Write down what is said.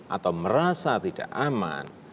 atau merasa tidak aman